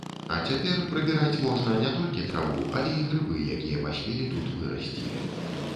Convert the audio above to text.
А цяпер прыбіраць можна не толькі траву, але і грыбы, якія паспелі тут вырасці.